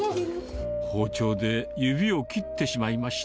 包丁で、指を切ってしまいました。